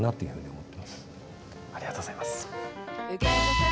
ありがとうございます。